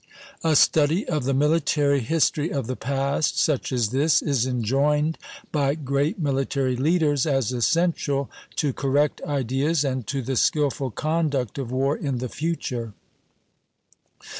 A study of the military history of the past, such as this, is enjoined by great military leaders as essential to correct ideas and to the skilful conduct of war in the future.